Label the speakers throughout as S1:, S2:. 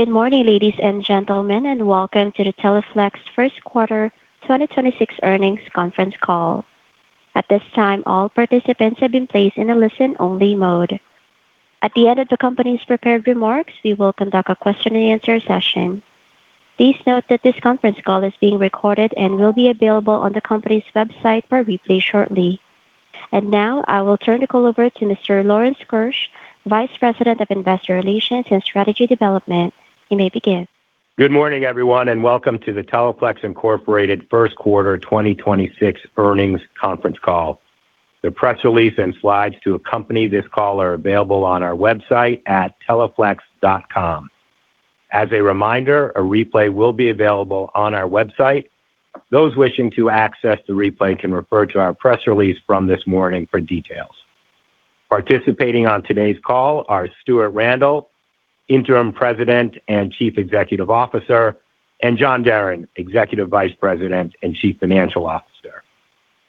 S1: Good morning, ladies and gentlemen, welcome to the Teleflex First Quarter 2026 Earnings Conference Call. At this time, all participants have been placed in a listen-only mode. At the end of the company's prepared remarks, we will conduct a question and answer session. Please note that this conference call is being recorded, and will be available on the company's website for replay shortly. Now I will turn the call over to Mr. Lawrence Keusch, Vice President of Investor Relations and Strategy Development. You may begin.
S2: Good morning everyone. Welcome to the Teleflex Incorporated first quarter 2026 earnings conference call. The press release and slides to accompany this call are available on our website at teleflex.com. As a reminder, a replay will be available on our website. Those wishing to access the replay can refer to our press release from this morning for details. Participating on today's call are Stuart Randle, Interim President and Chief Executive Officer, and John Deren, Executive Vice President and Chief Financial Officer.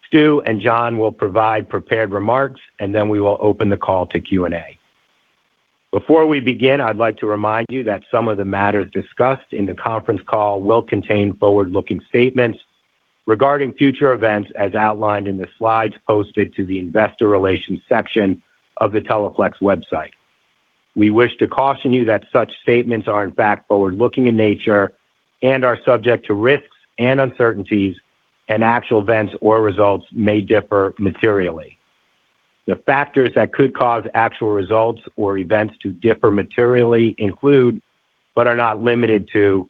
S2: Stu and John will provide prepared remarks. Then we will open the call to Q&A. Before we begin, I'd like to remind you that some of the matters discussed in the conference call will contain forward-looking statements regarding future events, as outlined in the slides posted to the investor relations section of the Teleflex website. We wish to caution you that such statements are in fact forward-looking in nature, and are subject to risks, and uncertainties. Actual events or results may differ materially. The factors that could cause actual results or events to differ materially include, but are not limited to,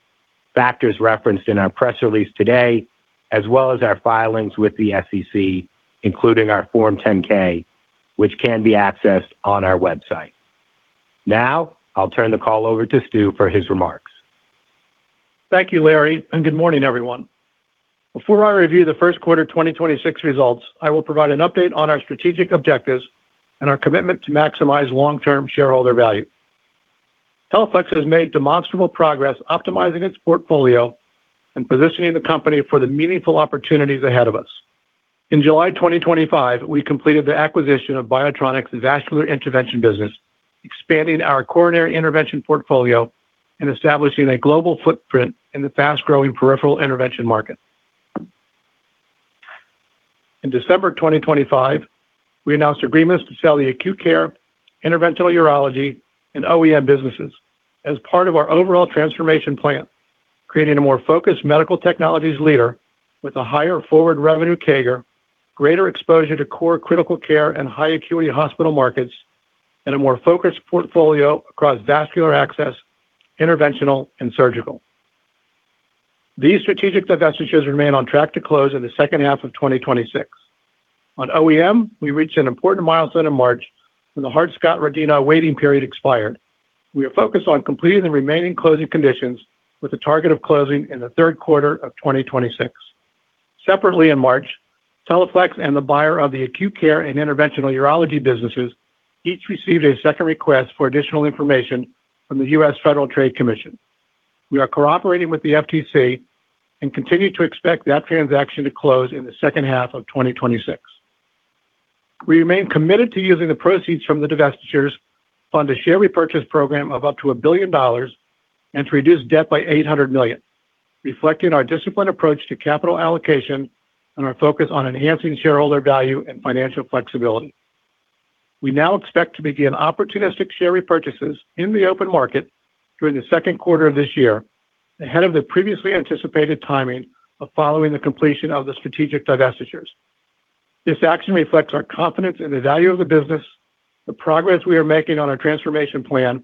S2: factors referenced in our press release today, as well as our filings with the SEC, including our Form 10-K, which can be accessed on our website. Now I'll turn the call over to Stu for his remarks.
S3: Thank you, Larry, and good morning, everyone. Before I review the first quarter 2026 results, I will provide an update on our strategic objectives, and our commitment to maximize long-term shareholder value. Teleflex has made demonstrable progress optimizing its portfolio, and positioning the company for the meaningful opportunities ahead of us. In July 2025, we completed the acquisition of BIOTRONIK's Vascular Intervention business, expanding our coronary intervention portfolio, and establishing a global footprint in the fast-growing peripheral intervention market. In December 2025, we announced agreements to sell the acute care, interventional urology, and OEM businesses as part of our overall transformation plan, creating a more focused medical technologies leader with a higher forward revenue CAGR, greater exposure to core critical care, and high acuity hospital markets, and a more focused portfolio across vascular access, interventional, and surgical. These strategic divestitures remain on track to close in the second half of 2026. On OEM, we reached an important milestone in March when the Hart-Scott-Rodino waiting period expired. We are focused on completing the remaining closing conditions with a target of closing in the third quarter of 2026. Separately in March, Teleflex and the buyer of the acute care and interventional urology businesses each received a second request for additional information from the U.S. Federal Trade Commission. We are cooperating with the FTC, and continue to expect that transaction to close in the second half of 2026. We remain committed to using the proceeds from the divestitures, fund a share repurchase program of up to $1 billion, and to reduce debt by $800 million, reflecting our disciplined approach to capital allocation, and our focus on enhancing shareholder value, and financial flexibility. We now expect to begin opportunistic share repurchases in the open market during the second quarter of this year, ahead of the previously anticipated timing of following the completion of the strategic divestitures. This action reflects our confidence in the value of the business, the progress we are making on our transformation plan,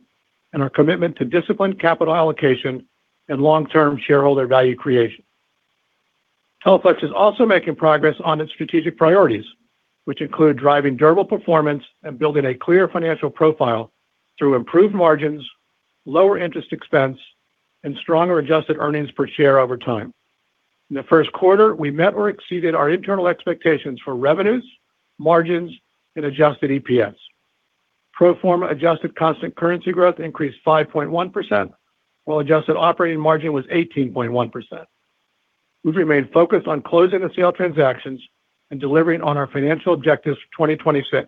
S3: and our commitment to disciplined capital allocation, and long-term shareholder value creation. Teleflex is also making progress on its strategic priorities, which include driving durable performance, and building a clear financial profile through improved margins, lower interest expense, and stronger adjusted earnings per share over time. In the first quarter, we met, or exceeded our internal expectations for revenues, margins, and adjusted EPS. Pro forma adjusted constant currency growth increased 5.1%, while adjusted operating margin was 18.1%. We've remained focused on closing the sale transactions, and delivering on our financial objectives for 2026,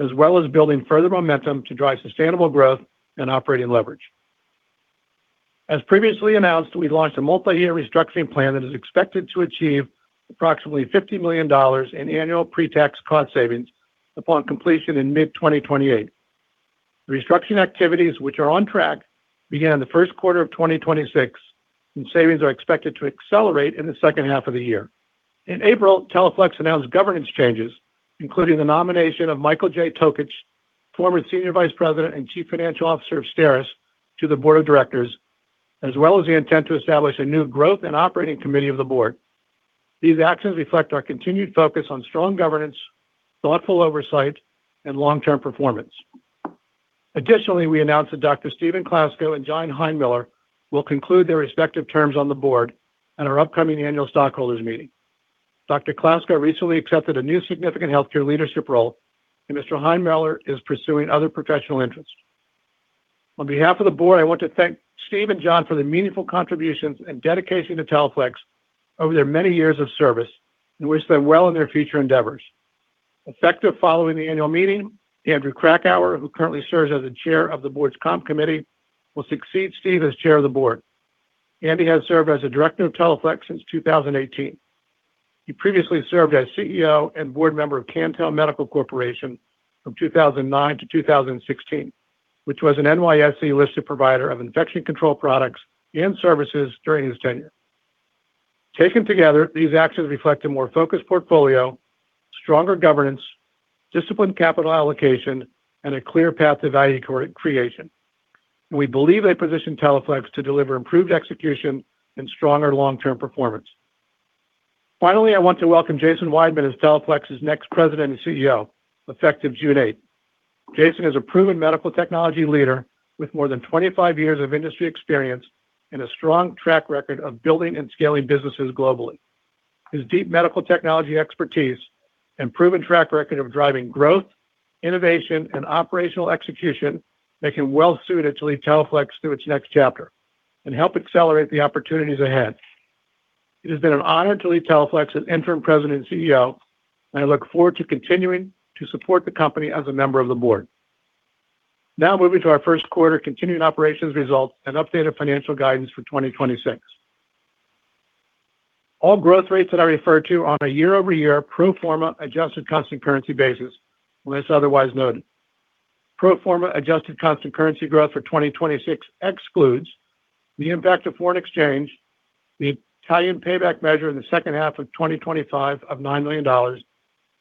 S3: as well as building further momentum to drive sustainable growth, and operating leverage. As previously announced, we launched a multi-year restructuring plan that is expected to achieve approximately $50 million in annual pre-tax cost savings upon completion in mid-2028. Restructuring activities, which are on track, began in the first quarter of 2026, and savings are expected to accelerate in the second half of the year. In April, Teleflex announced governance changes, including the nomination of Michael J. Tokich, former Senior Vice President and Chief Financial Officer of STERIS, to the Board of Directors, as well as the intent to establish a new growth, and operating committee of the Board. These actions reflect our continued focus on strong governance, thoughtful oversight, and long-term performance. Additionally, we announced that Dr. Stephen Klasko and John Heinmiller will conclude their respective terms on the Board at our upcoming Annual Stockholders Meeting. Dr. Klasko recently accepted a new significant healthcare leadership role, and Mr. Heinmiller is pursuing other professional interests. On behalf of the Board, I want to thank Steve and John for their meaningful contributions, and dedication to Teleflex over their many years of service, and wish them well in their future endeavors. Effective following the Annual Meeting, Andrew Krakauer, who currently serves as the Chair of the Board's comp committee, will succeed Steve as Chair of the Board. Andy has served as a Director of Teleflex since 2018. He previously served as CEO and Board member of Cantel Medical Corporation from 2009-2016, which was an NYSE-listed provider of infection control products, and services during his tenure. Taken together, these actions reflect a more focused portfolio, stronger governance, disciplined capital allocation, and a clear path to value creation. We believe they position Teleflex to deliver improved execution, and stronger long-term performance. Finally, I want to welcome Jason Weidman as Teleflex's next President and CEO, effective June 8th. Jason is a proven medical technology leader with more than 25 years of industry experience, and a strong track record of building, and scaling businesses globally. His deep medical technology expertise, and proven track record of driving growth, innovation, and operational execution, make him well suited to lead Teleflex through its next chapter, and help accelerate the opportunities ahead. It has been an honor to lead Teleflex as Interim President and CEO, and I look forward to continuing to support the company as a member of the Board. Now moving to our first quarter continuing operations results, and updated financial guidance for 2026. All growth rates that I refer to are on a year-over-year pro forma adjusted constant currency basis, unless otherwise noted. Pro forma adjusted constant currency growth for 2026 excludes the impact of foreign exchange, the Italian payback measure in the second half of 2025 of $9 million,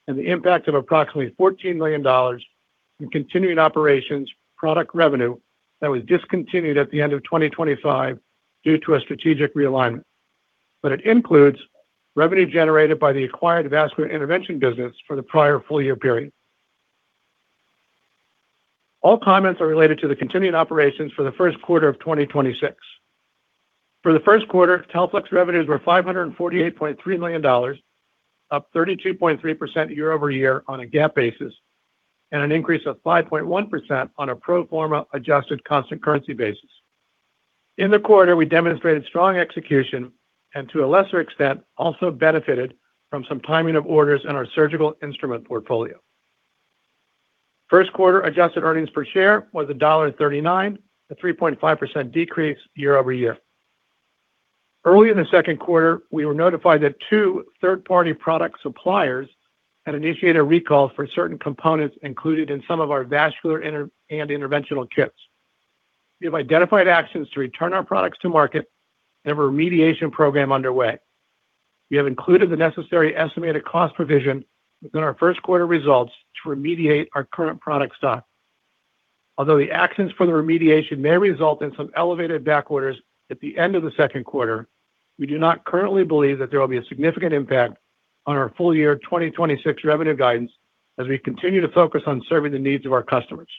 S3: and the impact of approximately $14 million in continuing operations product revenue that was discontinued at the end of 2025 due to a strategic realignment. It includes revenue generated by the acquired Vascular Intervention business for the prior full year period. All comments are related to the continuing operations for the first quarter of 2026. For the first quarter, Teleflex revenues were $548.3 million, up 32.3% year-over-year on a GAAP basis, and an increase of 5.1% on a pro forma adjusted constant currency basis. In the quarter, we demonstrated strong execution and, to a lesser extent, also benefited from some timing of orders in our surgical instrument portfolio. First quarter adjusted earnings per share was $1.39, a 3.5% decrease year-over-year. Early in the second quarter, we were notified that two, third-party product suppliers had initiated a recall for certain components included in some of our vascular interventional kits. We have identified actions to return our products to market, and have a remediation program underway. We have included the necessary estimated cost provision within our first quarter results to remediate our current product stock. Although the actions for the remediation may result in some elevated back orders at the end of the second quarter, we do not currently believe that there will be a significant impact on our full year 2026 revenue guidance as we continue to focus on serving the needs of our customers.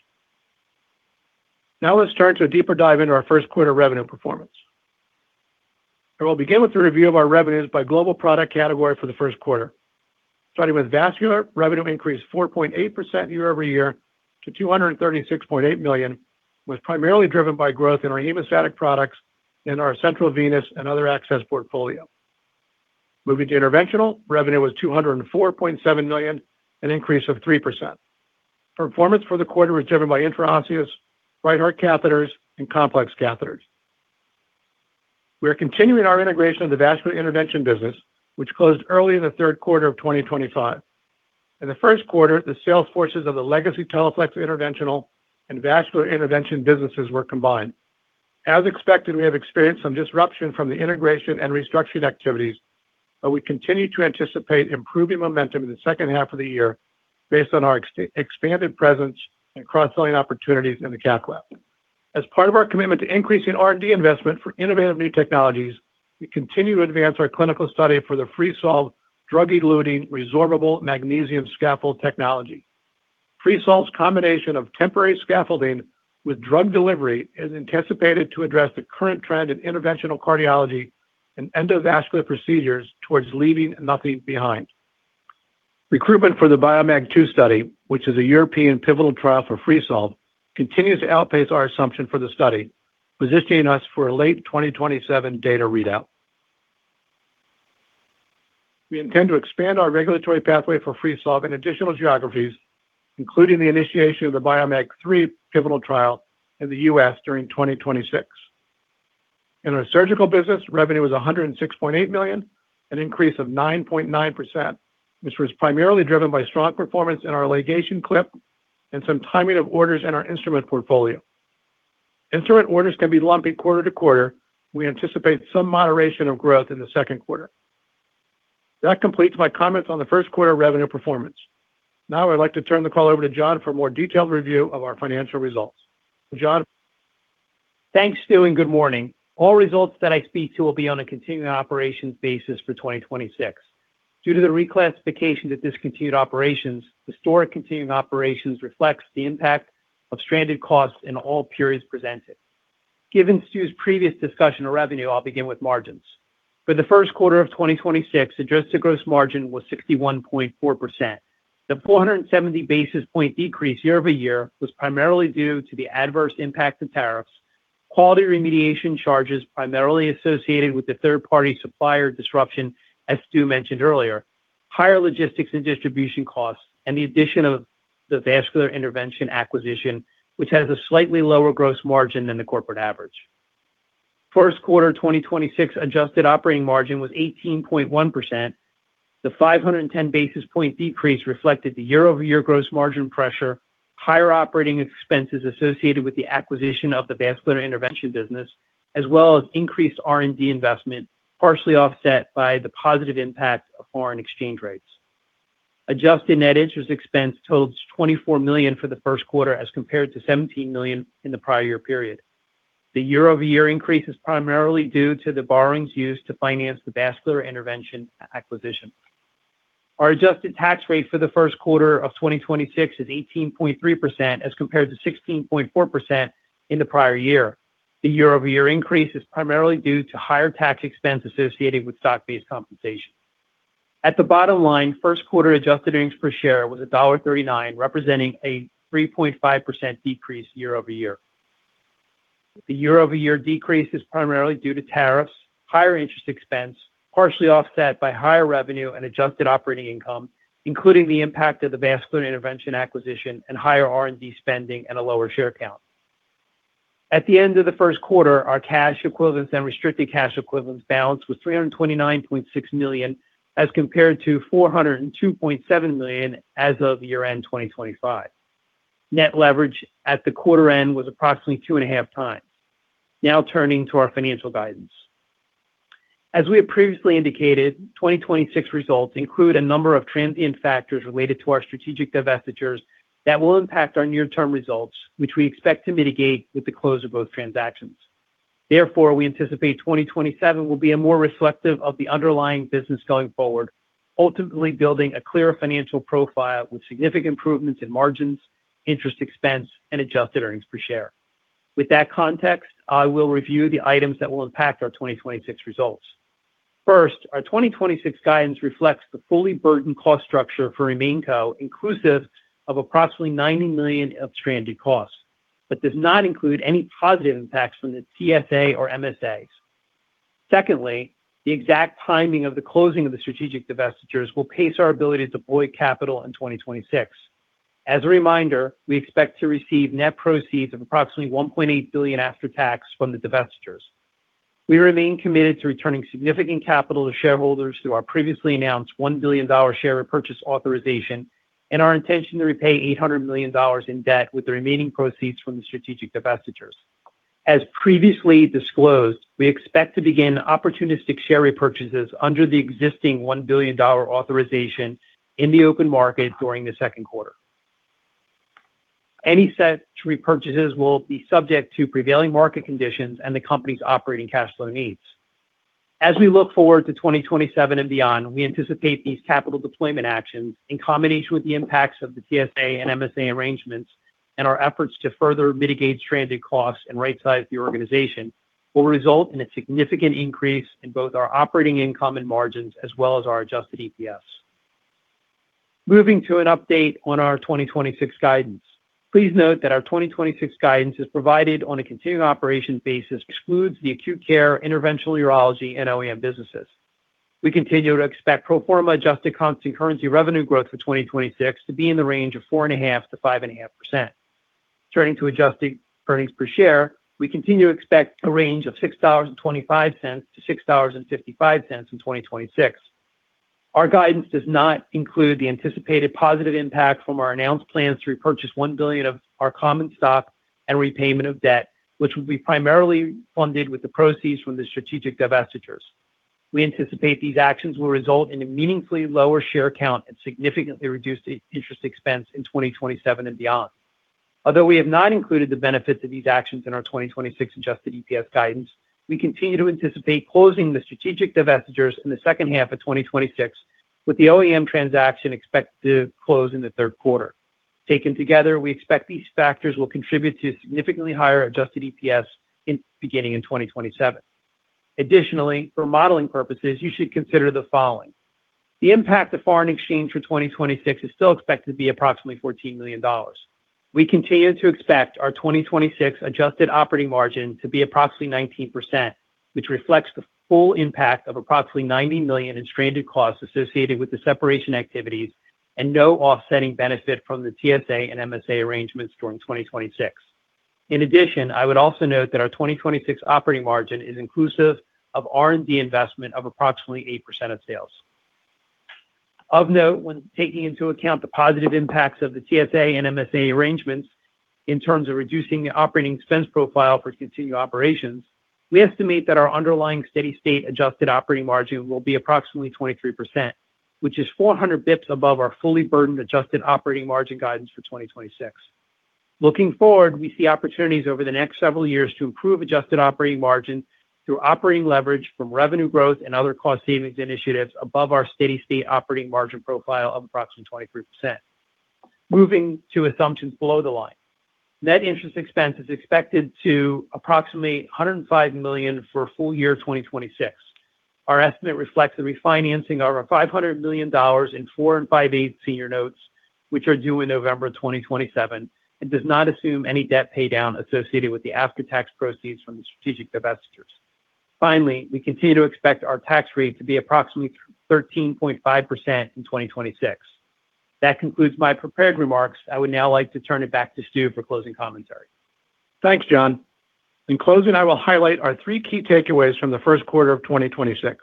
S3: Now let's turn to a deeper dive into our first quarter revenue performance. I will begin with a review of our revenues by global product category for the first quarter. Starting with vascular, revenue increased 4.8% year-over-year to $236.8 million, was primarily driven by growth in our hemostatic products, and our central venous, and other access portfolio. Moving to interventional, revenue was $204.7 million, an increase of 3%. Performance for the quarter was driven by intraosseous, right heart catheters, and complex catheters. We are continuing our integration of the vascular intervention business, which closed early in the third quarter of 2025. In the first quarter, the sales forces of the legacy Teleflex interventional, and vascular intervention businesses were combined. As expected, we have experienced some disruption from the integration, and restructuring activities, but we continue to anticipate improving momentum in the second half of the year based on our expanded presence, and cross-selling opportunities in the cath lab. As part of our commitment to increasing R&D investment for innovative new technologies, we continue to advance our clinical study for the Freesolve drug-eluting resorbable magnesium scaffold technology. Freesolve's combination of temporary scaffolding with drug delivery is anticipated to address the current trend in interventional cardiology, and endovascular procedures towards leaving nothing behind. Recruitment for the BIOMAG-II study, which is a European pivotal trial for Freesolve, continues to outpace our assumption for the study, positioning us for a late 2027 data readout. We intend to expand our regulatory pathway for Freesolve in additional geographies, including the initiation of the BIOMAG-III pivotal trial in the U.S. during 2026. In our surgical business, revenue was $106.8 million, an increase of 9.9%, which was primarily driven by strong performance in our ligation clip, and some timing of orders in our instrument portfolio. Instrument orders can be lumpy quarter to quarter. We anticipate some moderation of growth in the second quarter. That completes my comments on the first quarter revenue performance. Now I'd like to turn the call over to John for a more detailed review of our financial results. John?
S4: Thanks, Stu. Good morning. All results that I speak to will be on a continuing operations basis for 2026. Due to the reclassification to discontinued operations, historic continuing operations reflects the impact of stranded costs in all periods presented. Given Stu's previous discussion of revenue, I'll begin with margins. For the first quarter of 2026, adjusted gross margin was 61.4%. The 470 basis point decrease year-over-year was primarily due to the adverse impact of tariffs, quality remediation charges primarily associated with the third-party supplier disruption, as Stu mentioned earlier, higher logistics and distribution costs, and the addition of the Vascular Intervention acquisition, which has a slightly lower gross margin than the corporate average. First quarter in 2026 adjusted operating margin was 18.1%. The 510 basis point decrease reflected the year-over-year gross margin pressure, higher operating expenses associated with the acquisition of the Vascular Intervention business, as well as increased R&D investment, partially offset by the positive impact of foreign exchange rates. Adjusted net interest expense totaled $24 million for the first quarter as compared to $17 million in the prior year period. The year-over-year increase is primarily due to the borrowings used to finance the Vascular Intervention acquisition. Our adjusted tax rate for the first quarter of 2026 is 18.3% as compared to 16.4% in the prior year. The year-over-year increase is primarily due to higher tax expense associated with stock-based compensation. At the bottom line, first quarter adjusted earnings per share was $1.39, representing a 3.5% decrease year-over-year. The year-over-year decrease is primarily due to tariffs, higher interest expense, partially offset by higher revenue, and adjusted operating income, including the impact of the Vascular Intervention acquisition, and higher R&D spending, and a lower share count. At the end of the first quarter, our cash equivalents and restricted cash equivalents balance was $329.6 million, as compared to $402.7 million as of year-end 2025. Net leverage at the quarter end was approximately 2.5x. Turning to our financial guidance. As we have previously indicated, 2026 results include a number of transient factors related to our strategic divestitures that will impact our near-term results, which we expect to mitigate with the close of both transactions. Therefore, we anticipate 2027 will be a more reflective of the underlying business going forward, ultimately building a clearer financial profile with significant improvements in margins, interest expense, and adjusted earnings per share. With that context, I will review the items that will impact our 2026 results. First, our 2026 guidance reflects the fully burdened cost structure for RemainCo, inclusive of approximately $90 million of stranded costs, but does not include any positive impacts from the TSA or MSAs. Secondly, the exact timing of the closing of the strategic divestitures will pace our ability to deploy capital in 2026. As a reminder, we expect to receive net proceeds of approximately $1.8 billion after tax from the divestitures. We remain committed to returning significant capital to shareholders through our previously announced $1 billion share repurchase authorization, and our intention to repay $800 million in debt with the remaining proceeds from the strategic divestitures. As previously disclosed, we expect to begin opportunistic share repurchases under the existing $1 billion authorization in the open market during the second quarter. Any such repurchases will be subject to prevailing market conditions, and the company's operating cash flow needs. As we look forward to 2027 and beyond, we anticipate these capital deployment actions, in combination with the impacts of the TSA and MSA arrangements, and our efforts to further mitigate stranded costs, and right-size the organization, will result in a significant increase in both our operating income and margins, as well as our adjusted EPS. Moving to an update on our 2026 guidance. Please note that our 2026 guidance is provided on a continuing operations basis excludes the acute care, interventional urology, and OEM businesses. We continue to expect pro forma adjusted constant currency revenue growth for 2026 to be in the range of 4.5%-5.5%. Turning to adjusted earnings per share, we continue to expect a range of $6.25-$6.55 in 2026. Our guidance does not include the anticipated positive impact from our announced plans to repurchase $1 billion of our common stock, and repayment of debt, which will be primarily funded with the proceeds from the strategic divestitures. We anticipate these actions will result in a meaningfully lower share count, and significantly reduced interest expense in 2027, and beyond. Although we have not included the benefits of these actions in our 2026 adjusted EPS guidance, we continue to anticipate closing the strategic divestitures in the second half of 2026, with the OEM transaction expected to close in the third quarter. Taken together, we expect these factors will contribute to significantly higher adjusted EPS beginning in 2027. Additionally, for modeling purposes, you should consider the following. The impact of foreign exchange for 2026 is still expected to be approximately $14 million. We continue to expect our 2026 adjusted operating margin to be approximately 19%, which reflects the full impact of approximately $90 million in stranded costs associated with the separation activities, and no offsetting benefit from the TSA and MSA arrangements during 2026. In addition, I would also note that our 2026 operating margin is inclusive of R&D investment of approximately 8% of sales. Of note, when taking into account the positive impacts of the TSA and MSA arrangements in terms of reducing the operating expense profile for continued operations, we estimate that our underlying steady-state adjusted operating margin will be approximately 23%, which is 400 basis points above our fully burdened adjusted operating margin guidance for 2026. Looking forward, we see opportunities over the next several years to improve adjusted operating margin through operating leverage from revenue growth, and other cost savings initiatives above our steady-state operating margin profile of approximately 23%. Moving to assumptions below the line. Net interest expense is expected to approximately $105 million for full year 2026. Our estimate reflects the refinancing of our $500 million in 4 5/8% senior notes, which are due in November 2027, and does not assume any debt pay down associated with the after-tax proceeds from the strategic divestitures. Finally, we continue to expect our tax rate to be approximately 13.5% in 2026. That concludes my prepared remarks. I would now like to turn it back to Stu for closing commentary.
S3: Thanks, John. In closing, I will highlight our three key takeaways from the first quarter of 2026.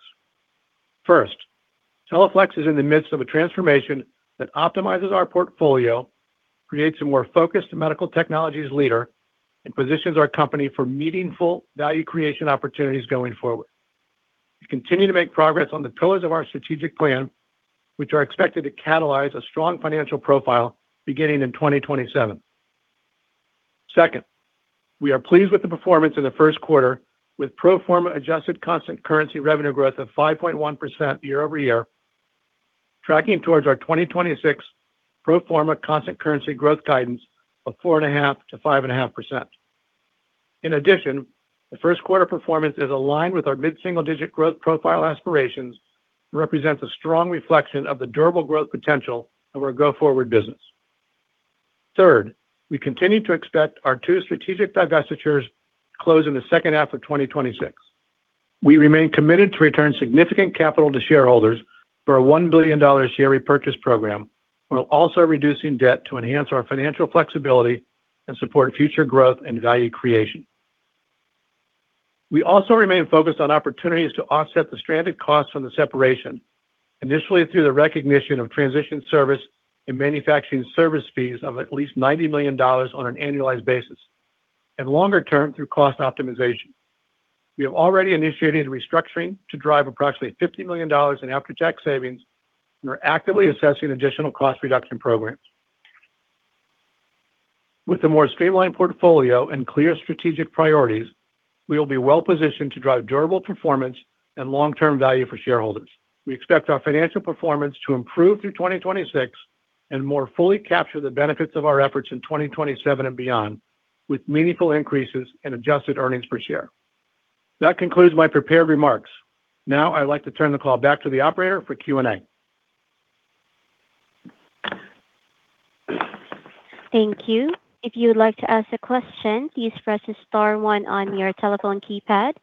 S3: First, Teleflex is in the midst of a transformation that optimizes our portfolio, creates a more focused medical technologies leader, and positions our company for meaningful value creation opportunities going forward. We continue to make progress on the pillars of our strategic plan, which are expected to catalyze a strong financial profile beginning in 2027. Second, we are pleased with the performance in the first quarter with pro forma adjusted constant currency revenue growth of 5.1% year-over-year, tracking towards our 2026 pro forma constant currency growth guidance of 4.5%-5.5%. In addition, the first quarter performance is aligned with our mid-single-digit growth profile aspirations, and represents a strong reflection of the durable growth potential of our go-forward business. Third, we continue to expect our two strategic divestitures to close in the second half of 2026. We remain committed to return significant capital to shareholders through our $1 billion share repurchase program, while also reducing debt to enhance our financial flexibility, and support future growth, and value creation. We also remain focused on opportunities to offset the stranded costs from the separation, initially through the recognition of transition service, and manufacturing service fees of at least $90 million on an annualized basis, and longer term through cost optimization. We have already initiated restructuring to drive approximately $50 million in after-tax savings, and we're actively assessing additional cost reduction programs. With a more streamlined portfolio, and clear strategic priorities, we will be well-positioned to drive durable performance, and long-term value for shareholders. We expect our financial performance to improve through 2026, and more fully capture the benefits of our efforts in 2027, and beyond, with meaningful increases in adjusted earnings per share. That concludes my prepared remarks. Now I'd like to turn the call back to the operator for Q&A.
S1: Thank you. If you would like to ask a question, please press star one on your telephone keypad.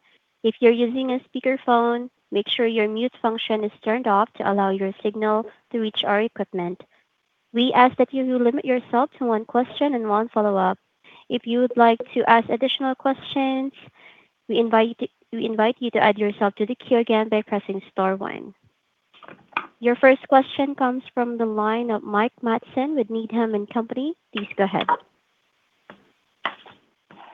S1: If you're using a speakerphone, make sure your mute function is turned off to allow your signal to reach our equipment. We ask that you limit yourself to one question and one follow-up. If you would like to ask additional questions, we invite you, we invite you to add yourself to the queue again by pressing star one. Your first question comes from the line of Mike Matson with Needham & Company. Please go ahead.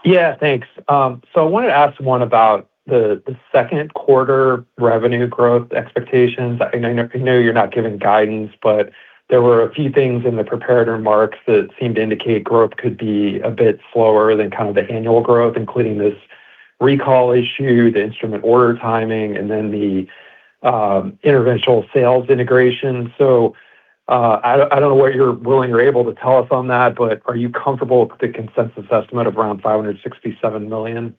S5: Yeah, thanks. I wanted to ask one about the second quarter revenue growth expectations. I know you're not giving guidance, but there were a few things in the prepared remarks that seemed to indicate growth could be a bit slower than kind of the annual growth, including this recall issue, the instrument order timing, and then the interventional sales integration. I don't, I don't know what you're willing or able to tell us on that, but are you comfortable with the consensus estimate of around $567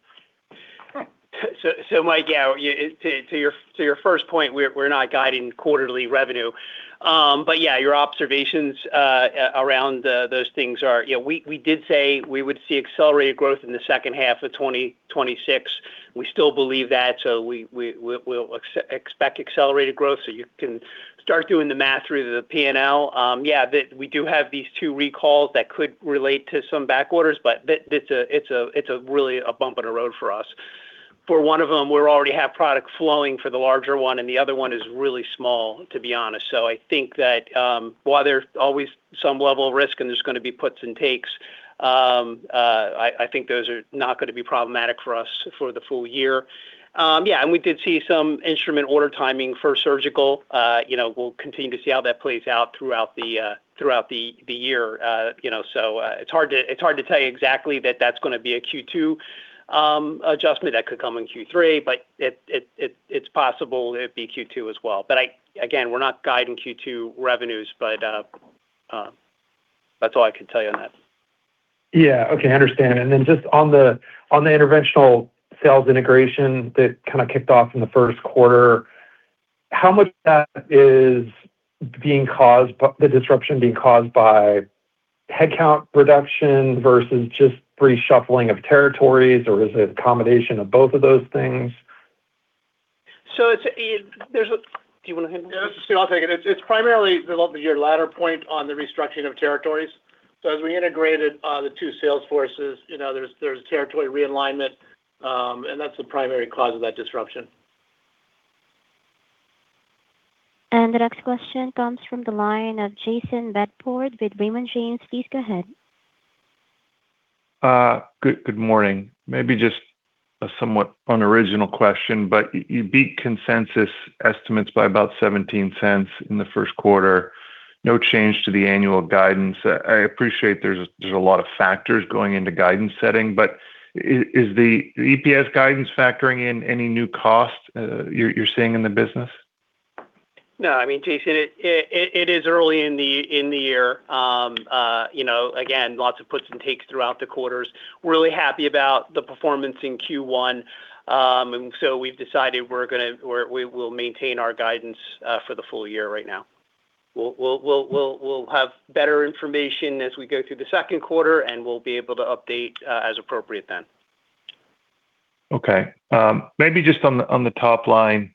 S5: million?
S4: Mike, yeah, to your first point, we're not guiding quarterly revenue. Yeah, your observations around those things are, you know, we did say we would see accelerated growth in the second half of 2026. We still believe that, we'll expect accelerated growth. You can start doing the math through the P&L. Yeah, we do have these two recalls that could relate to some back orders, but it's really a bump in the road for us. For one of them, we already have product flowing for the larger one, and the other one is really small, to be honest. I think that, while there's always some level of risk, and there's gonna be puts and takes, I think those are not gonna be problematic for us for the full year. We did see some instrument order timing for surgical. You know, we'll continue to see how that plays out throughout the year. You know, it's hard to tell you exactly that that's gonna be a Q2 adjustment. That could come in Q3, it's possible it'd be Q2 as well. Again, we're not guiding Q2 revenues, that's all I can tell you on that.
S5: Yeah. Okay. I understand. Just on the interventional sales integration that kind of kicked off in the first quarter, how much of that is being caused by the disruption being caused by headcount reduction versus just reshuffling of territories? Is it a combination of both of those things?
S4: So it's, do you wanna handle that?
S3: Yeah. This is Stu, I'll take it. It's primarily develop your latter point on the restructuring of territories. As we integrated the two sales forces, you know, there's territory realignment, that's the primary cause of that disruption.
S1: The next question comes from the line of Jayson Bedford with Raymond James. Please go ahead.
S6: Good morning. Maybe just a somewhat unoriginal question, but you beat consensus estimates by about $0.17 in the first quarter. No change to the annual guidance. I appreciate there's a lot of factors going into guidance setting, but is the EPS guidance factoring in any new cost you're seeing in the business?
S4: No, I mean, Jayson, it is early in the year. you know, again, lots of puts, and takes throughout the quarters. We're really happy about the performance in Q1. We've decided we will maintain our guidance for the full year right now. We'll have better information as we go through the second quarter, and we'll be able to update as appropriate then.
S6: Okay. Maybe just on the top line,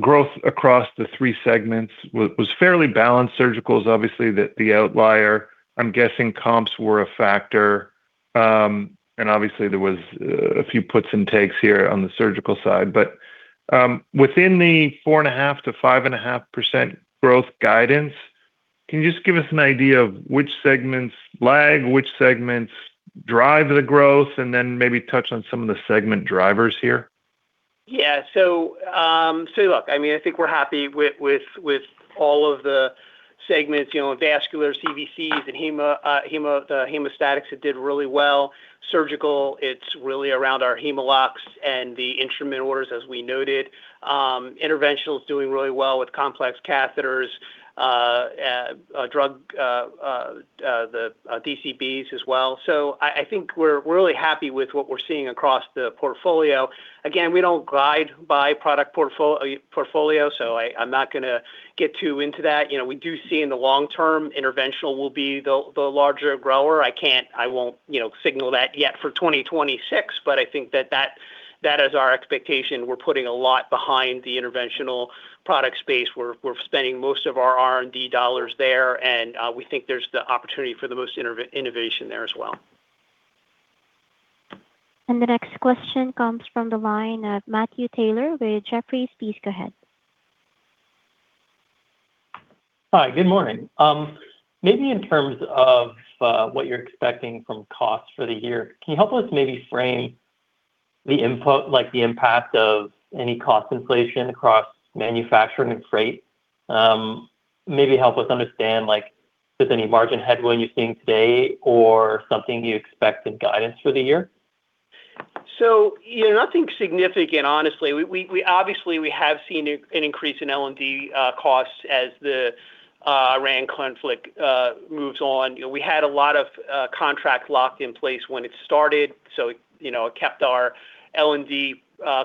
S6: growth across the three segments was fairly balanced. Surgical is obviously the outlier. I am guessing comps were a factor. Obviously there was a few puts, and takes here on the surgical side. Within the 4.5%-5.5% growth guidance, can you just give us an idea of which segments lag, which segments drive the growth, and then maybe touch on some of the segment drivers here?
S4: I think we're happy with all of the segments, you know, vascular CVCs and the hemostatics did really well. Surgical, it's really around our Hem-o-loks, and the instrument orders, as we noted. Interventional's doing really, really well with complex catheters, drug, the DCBs as well. I think we're really happy with what we're seeing across the portfolio. Again, we don't guide by product portfolio, I'm not gonna get too into that. You know, we do see in the long term Interventional will be the larger grower. I can't, I won't, you know, signal that yet for 2026, but I think that is our expectation. We're putting a lot behind the Interventional product space. We're spending most of our R&D dollars there, and we think there's the opportunity for the most innovation there as well.
S1: The next question comes from the line of Matthew Taylor with Jefferies. Please go ahead.
S7: Hi, good morning. maybe in terms of what you're expecting from costs for the year, can you help us maybe frame the impact of any cost inflation across manufacturing and freight? maybe help us understand, like, is there any margin headwind you're seeing today, or something you expect in guidance for the year?
S4: You know, nothing significant, honestly. We obviously, we have seen an increase in L&D costs as the Iran conflict moves on. You know, we had a lot of contracts locked in place when it started, you know, it kept our L&D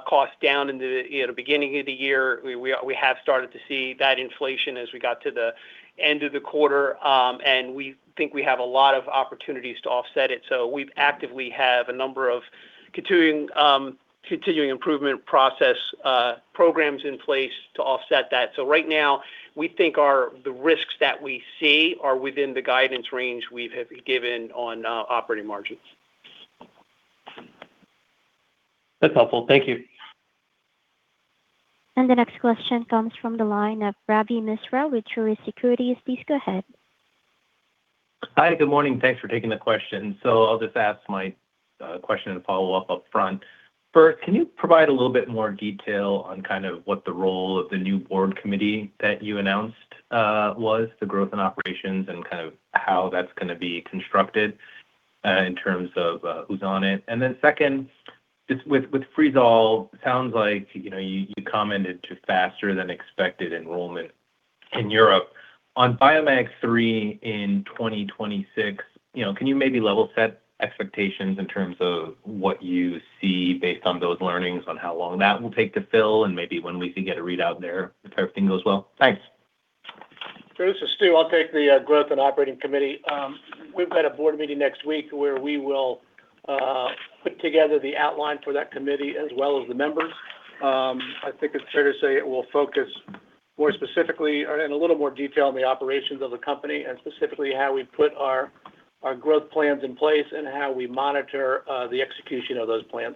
S4: costs down in the, you know, beginning of the year. We have started to see that inflation as we got to the end of the quarter, and we think we have a lot of opportunities to offset it. We've actively have a number of continuing improvement process programs in place to offset that. Right now, we think the risks that we see are within the guidance range we've have given on operating margins.
S7: That's helpful. Thank you.
S1: The next question comes from the line of Ravi Misra with Truist Securities. Please go ahead.
S8: Hi, good morning. Thanks for taking the question. I'll just ask my question, and follow-up upfront. First, can you provide a little bit more detail on kind of what the role of the new Board committee that you announced was, the Growth and Operations, and kind of how that's gonna be constructed in terms of who's on it? Second, just with Freesolve, sounds like, you know, you commented to faster than expected enrollment in Europe. On BIOMAG-III in 2026, you know, can you maybe level set expectations in terms of what you see based on those learnings on how long that will take to fill, and maybe when we can get a readout there if everything goes well? Thanks.
S3: Sure. This is Stu. I'll take the Growth and Operating committee. We've got a Board meeting next week where we will put together the outline for that committee as well as the members. I think it's fair to say it will focus more specifically a little more detail on the operations of the company, and specifically how we put our growth plans in place, and how we monitor the execution of those plans.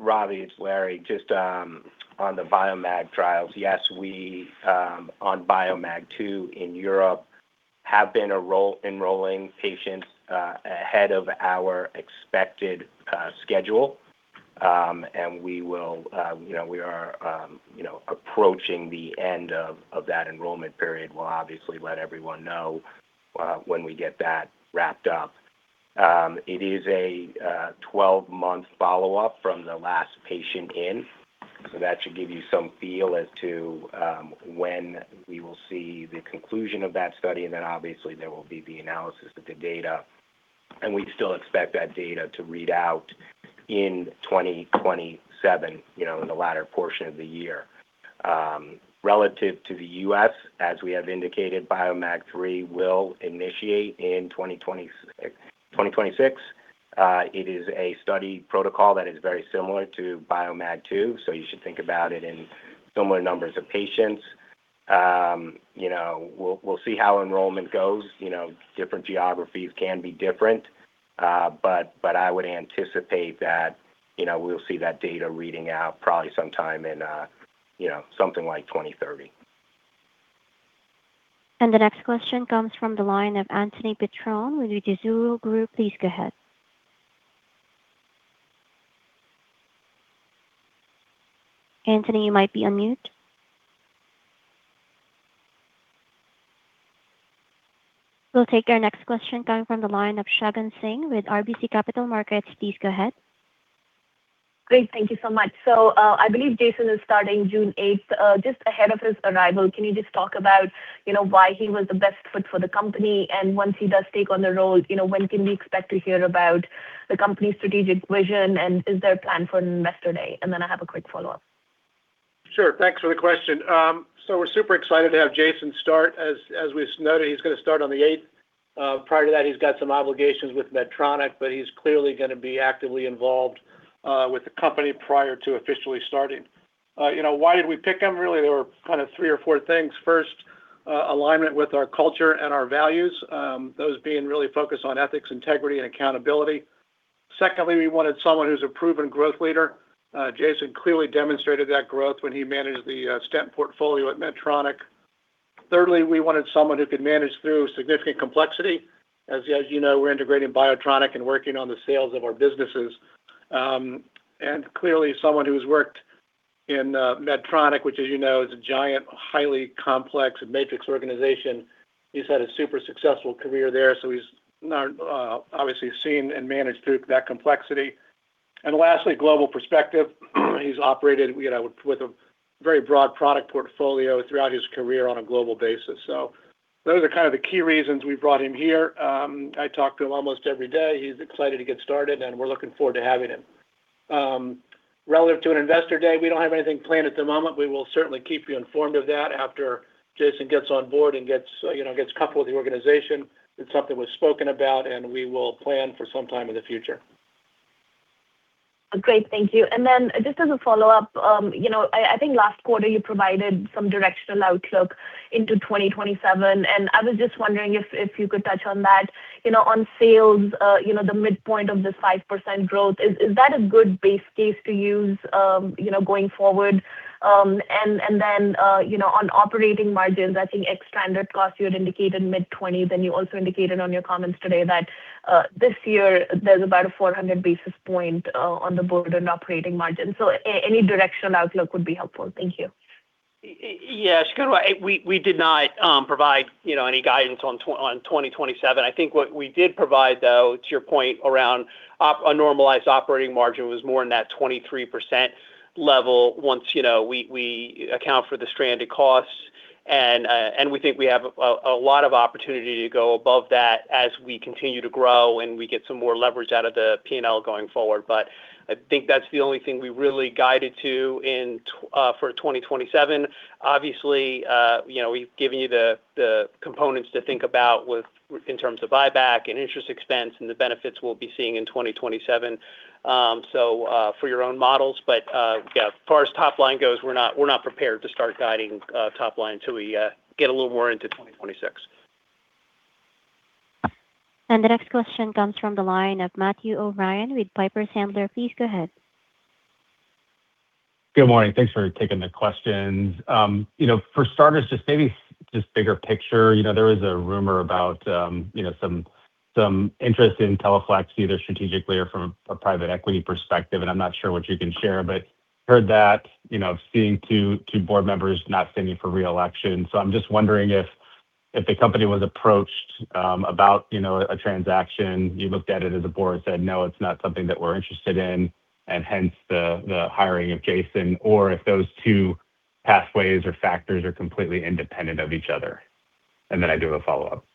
S2: Ravi, it's Larry. Just on the BIOMAG trials. Yes, we, on BIOMAG-II in Europe have been enrolling patients ahead of our expected schedule. We will, we are, you know, approaching the end of that enrollment period. We'll obviously let everyone know when we get that wrapped up. It is a 12-month follow-up from the last patient in, so that should give you some feel as to when we will see the conclusion of that study. Obviously, there will be the analysis of the data. We still expect that data to read out in 2027, you know, in the latter portion of the year. Relative to the U.S., as we have indicated, BIOMAG-III will initiate in 2026. It is a study protocol that is very similar to BIOMAG-II, so you should think about it in similar numbers of patients. You know, we'll see how enrollment goes. You know, different geographies can be different. I would anticipate that, you know, we'll see that data reading out probably sometime in, you know, something like 2030.
S1: The next question comes from the line of Anthony Petrone with Mizuho Group. Please go ahead. Anthony, you might be on mute. We'll take our next question coming from the line of Shagun Singh with RBC Capital Markets. Please go ahead.
S9: Great. Thank you so much. I believe Jason is starting June 8th. Just ahead of his arrival, can you just talk about, you know, why he was the best fit for the company? Once he does take on the role, you know, when can we expect to hear about the company's strategic vision? Is there a plan for Investor Day? Then I have a quick follow-up.
S3: Sure. Thanks for the question. We're super excited to have Jason start. As we noted, he's gonna start on the eighth. Prior to that, he's got some obligations with Medtronic, but he's clearly gonna be actively involved with the company prior to officially starting. Why did we pick him? Really, there were kinda three or four things. First, alignment with our culture and our values, those being really focused on ethics, integrity, and accountability. Secondly, we wanted someone who's a proven growth leader. Jason clearly demonstrated that growth when he managed the stent portfolio at Medtronic. Thirdly, we wanted someone who could manage through significant complexity. As you know, we're integrating BIOTRONIK, and working on the sales of our businesses. Clearly someone who's worked in Medtronic, which, as you know, is a giant, highly complex matrix organization. He's had a super successful career there, so he's now obviously seen, and managed through that complexity. Lastly, global perspective. He's operated, you know, with a very broad product portfolio throughout his career on a global basis. Those are kind of the key reasons we brought him here. I talk to him almost every day. He's excited to get started, we're looking forward to having him. Relative to an Investor Day, we don't have anything planned at the moment. We will certainly keep you informed of that after Jason gets on board and gets, you know, gets coupled with the organization. It's something we've spoken about, we will plan for some time in the future.
S9: Great. Thank you. Just as a follow-up, you know, I think last quarter you provided some directional outlook into 2027, and I was just wondering if you could touch on that. You know, on sales, you know, the midpoint of the 5% growth, is that a good base case to use, you know, going forward? And then, you know, on operating margins, I think ex- stranded costs you had indicated mid 20s. You also indicated on your comments today that this year there's about a 400 basis point on the board, and operating margin. Any directional outlook would be helpful. Thank you.
S4: Yes, we did not provide, you know, any guidance on 2027. I think what we did provide, though, to your point around a normalized operating margin was more in that 23% level once, you know, we account for the stranded costs. We think we have a lot of opportunity to go above that as we continue to grow, and we get some more leverage out of the P&L going forward. I think that's the only thing we really guided to for 2027. Obviously, you know, we've given you the components to think about in terms of buyback, and interest expense, and the benefits we'll be seeing in 2027 for your own models. Yeah, as far as top line goes, we're not prepared to start guiding, top line until we get a little more into 2026.
S1: The next question comes from the line of Matthew O'Brien with Piper Sandler. Please go ahead.
S10: Good morning. Thanks for taking the questions. You know, for starters, just bigger picture, you know, there was a rumor about, you know, some interest in Teleflex, either strategically, or from a private equity perspective, and I'm not sure what you can share. Heard that, you know, seeing two Board members not standing for re-election. I'm just wondering if the company was approached, about, you know, a transaction, you looked at it, and the board said, "No, it's not something that we're interested in," and hence the hiring of Jason, or if those two pathways, or factors are completely independent of each other? Then I do have a follow-up.
S3: Yeah,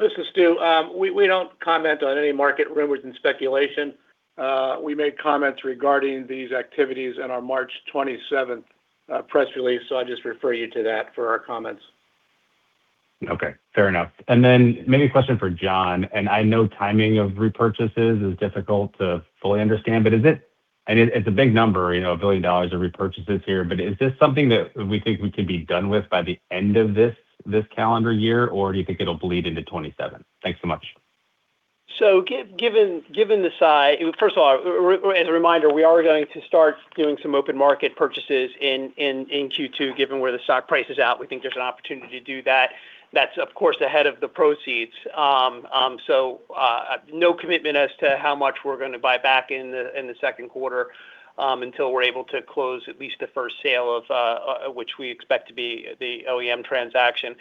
S3: this is Stu. We don't comment on any market rumors and speculation. We made comments regarding these activities in our March 27th press release, so I'd just refer you to that for our comments.
S10: Okay. Fair enough. Then maybe a question for John. I know timing of repurchases is difficult to fully understand, but it's a big number, you know, $1 billion of repurchases here. Is this something that we think we could be done with by the end of this calendar year, or do you think it'll bleed into 2027? Thanks so much.
S4: Given the First of all, as a reminder, we are going to start doing some open market purchases in Q2, given where the stock price is at. We think there's an opportunity to do that. That's, of course, ahead of the proceeds. No commitment as to how much we're gonna buy back in the second quarter, until we're able to close at least the first sale of which we expect to be the OEM transaction.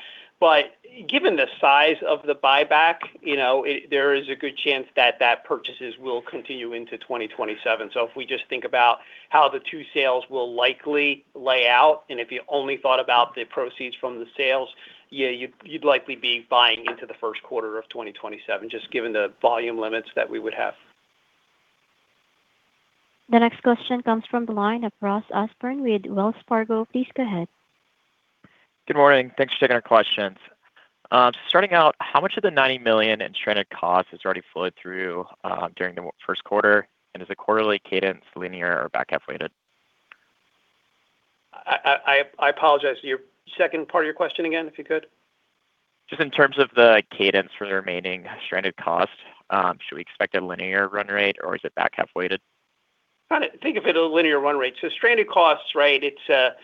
S4: Given the size of the buyback, you know, there is a good chance that purchases will continue into 2027. If we just think about how the two sales will likely lay out, and if you only thought about the proceeds from the sales, yeah, you'd likely be buying into the first quarter of 2027, just given the volume limits that we would have.
S1: The next question comes from the line of Ross Osborn with Wells Fargo. Please go ahead.
S11: Good morning. Thanks for taking our questions. Starting out, how much of the $90 million in stranded costs has already flowed through during the first quarter? Is the quarterly cadence linear or back half-weighted?
S4: I apologize. Your second part of your question again, if you could?
S11: Just in terms of the cadence for the remaining stranded costs, should we expect a linear run rate, or is it back half-weighted?
S4: Kind of think of it a linear run rate. Stranded costs, right? It's,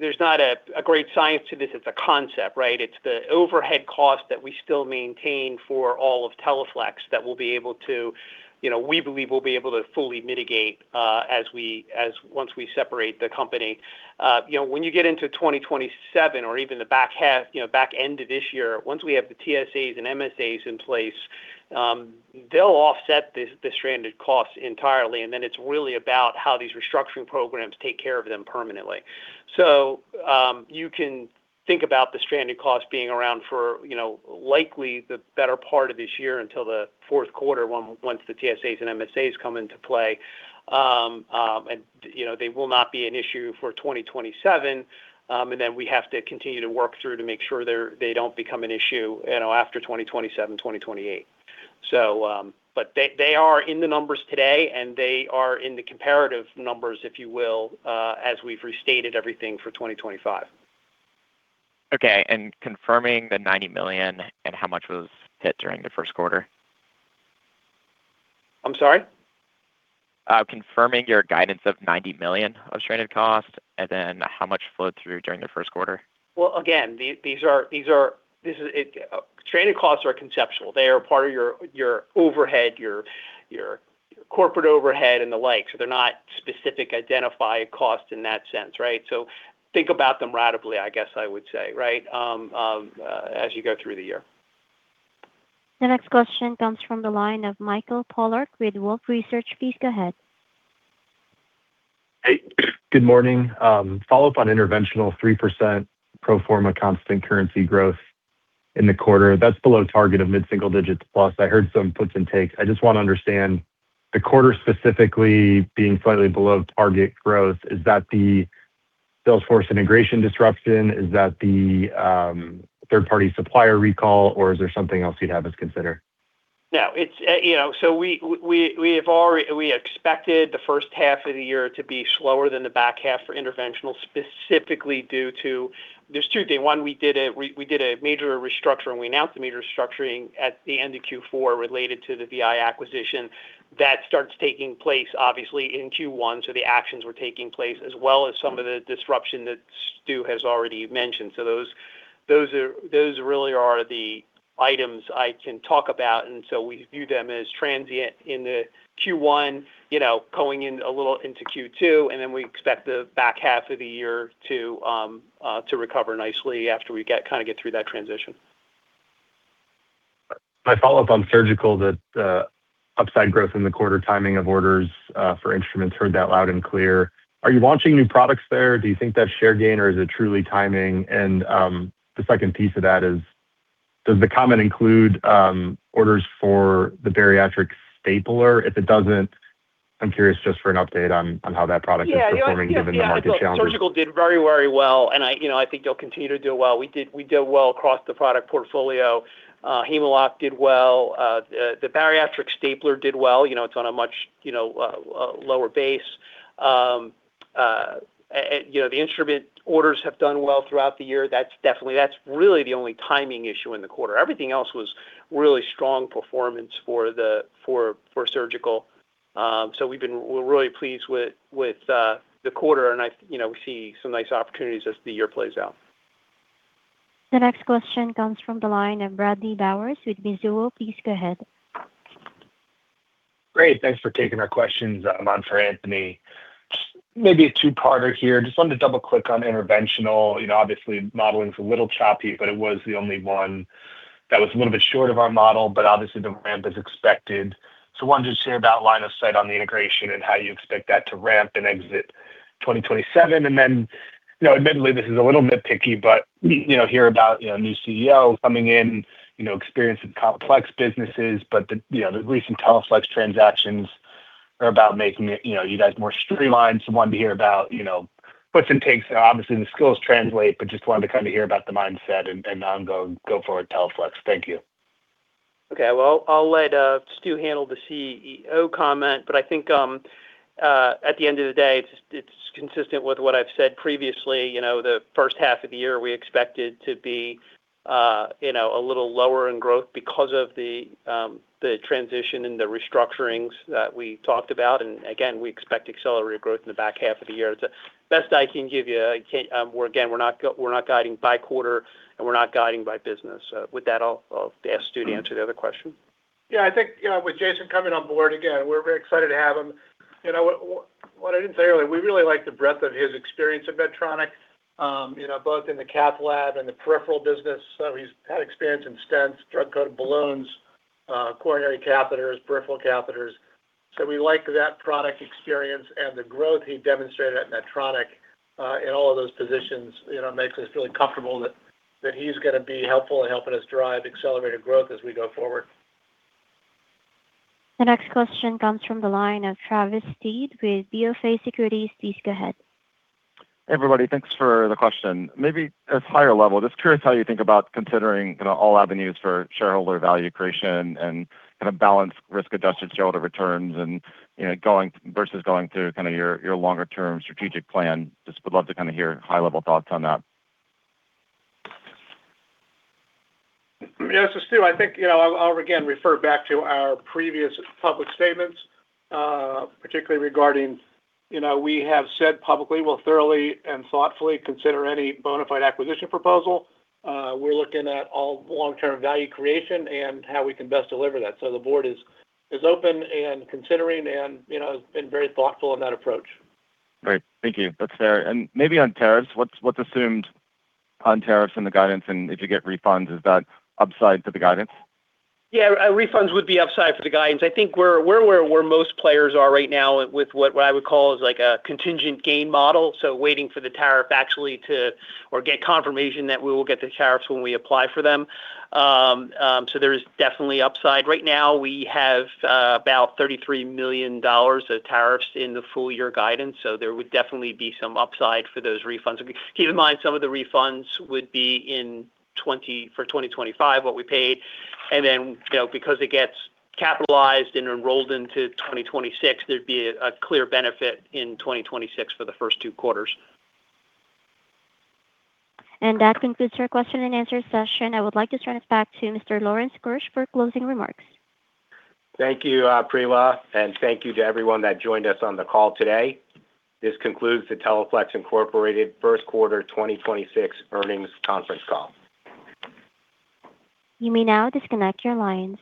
S4: there's not a great science to this. It's a concept, right? It's the overhead cost that we still maintain for all of Teleflex that we'll be able to, you know, we believe we'll be able to fully mitigate as we, once we separate the company. You know, when you get into 2027, or even the back half, you know, back end of this year, once we have the TSAs and MSAs in place, they'll offset the stranded costs entirely. It's really about how these restructuring programs take care of them permanently. You can think about the stranded costs being around for, you know, likely the better part of this year until the fourth quarter once the TSAs and MSAs come into play. You know, they will not be an issue for 2027. We have to continue to work through to make sure they don't become an issue, you know, after 2027, 2028. They, they are in the numbers today, and they are in the comparative numbers, if you will, as we've restated everything for 2025.
S11: Okay. Confirming the $90 million, and how much was hit during the first quarter?
S4: I'm sorry?
S11: Confirming your guidance of $90 million of stranded costs, and then how much flowed through during the first quarter?
S4: Well, again, these are, stranded costs are conceptual. They are part of your overhead, your corporate overhead and the like. They're not specific identified costs in that sense, right? Think about them ratably, I guess I would say, right, as you go through the year.
S1: The next question comes from the line of Michael Polark with Wolfe Research. Please go ahead.
S12: Hey. Good morning. Follow-up on interventional 3% pro forma constant currency growth in the quarter. That's below target of mid-single digits plus. I heard some puts, and takes. I just want to understand the quarter specifically being slightly below target growth, is that the sales force integration disruption? Is that the third-party supplier recall, or is there something else you'd have us consider?
S4: No. It's, you know. We have already, we expected the first half of the year to be slower than the back half for Interventional, specifically due to, there's two things. One, we did a major restructuring. We announced the major restructuring at the end of Q4 related to the VI acquisition. That starts taking place, obviously, in Q1, so the actions were taking place, as well as some of the disruption that Stu has already mentioned. Those really are the items I can talk about. We view them as transient in the Q1, you know, going in a little into Q2. We expect the back half of the year to recover nicely after we kind of get through that transition.
S12: My follow-up on surgical, the upside growth in the quarter timing of orders for instruments, heard that loud and clear. Are you launching new products there? Do you think that's share gain, or is it truly timing? The second piece of that is, does the comment include orders for the bariatric stapler? If it doesn't, I'm curious just for an update on how that product is performing given the market challenges.
S4: Yeah. Surgical did very, very well. I, you know, I think they'll continue to do well. We did well across the product portfolio. Hem-o-lok did well. The bariatric stapler did well. You know, it's on a much, you know, lower base. You know, the instrument orders have done well throughout the year. That's really the only timing issue in the quarter. Everything else was really strong performance for surgical. We've been really pleased with the quarter. I, you know, we see some nice opportunities as the year plays out.
S1: The next question comes from the line of Bradley Bowers with Mizuho. Please go ahead.
S13: Great. Thanks for taking our questions. I'm on for Anthony. Maybe a two-parter here. Just wanted to double-click on Interventional. You know, obviously, modeling is a little choppy, but it was the only one that was a little bit short of our model, but obviously the ramp is expected. Wanted to share that line of sight on the integration, and how you expect that to ramp, and exit 2027. Admittedly, this is a little nitpicky, but, you know, hear about, you know, a new CEO coming in, you know, experience in complex businesses. The, you know, the recent Teleflex transactions are about making it, you know, you guys more streamlined. Wanted to hear about, you know, puts, and takes. Obviously, the skills translate, but just wanted to kind of hear about the mindset, and ongoing go forward Teleflex. Thank you.
S4: Okay. Well, I'll let Stu handle the CEO comment, but I think, at the end of the day, it's consistent with what I've said previously. You know, the first half of the year, we expected to be, you know, a little lower in growth because of the transition, and the restructurings that we talked about. Again, we expect accelerated growth in the back half of the year. It's the best I can give you. I can't. Again, we're not guiding by quarter, and we're not guiding by business. With that, I'll ask Stu to answer the other question.
S3: Yeah. I think, you know, with Jason coming on board, again, we're very excited to have him. You know, what I didn't say earlier, we really like the breadth of his experience at Medtronic, you know, both in the cath lab and the peripheral business. He's had experience in stents, drug-coated balloons, coronary catheters, peripheral catheters. We like that product experience, and the growth he demonstrated at Medtronic in all of those positions, you know, makes us feel comfortable that he's gonna be helpful in helping us drive accelerated growth as we go forward.
S1: The next question comes from the line of Travis Steed with BofA Securities. Please go ahead.
S14: Hey, everybody. Thanks for the question. Maybe at higher level, just curious how you think about considering, you know, all avenues for shareholder value creation, and kind of balanced risk-adjusted shareholder returns and, you know, versus going through kind of your longer-term strategic plan. Just would love to kind of hear high-level thoughts on that.
S3: Yes. It's Stu. I think, you know, I'll again refer back to our previous public statements, particularly regarding, you know, we have said publicly we'll thoroughly, and thoughtfully consider any bona fide acquisition proposal. We're looking at all long-term value creation, and how we can best deliver that. The Board is open, and considering and, you know, has been very thoughtful in that approach.
S14: Great. Thank you. That's fair. Maybe on tariffs, what's assumed on tariffs and the guidance? If you get refunds, is that upside for the guidance?
S4: Refunds would be upside for the guidance. I think we're where most players are right now with what I would call is like a contingent gain model, waiting for the tariff or get confirmation that we will get the tariffs when we apply for them. There is definitely upside. Right now, we have about $33 million of tariffs in the full year guidance, there would definitely be some upside for those refunds. Keep in mind, some of the refunds would be for 2025, what we paid. Then, you know, because it gets capitalized, and enrolled into 2026, there'd be a clear benefit in 2026 for the first two quarters.
S1: That concludes our question and answer session. I would like to turn it back to Mr. Lawrence Keusch for closing remarks.
S2: Thank you, Preela, and thank you to everyone that joined us on the call today. This concludes the Teleflex Incorporated First Quarter 2026 Earnings Conference Call.
S1: You may now disconnect your lines.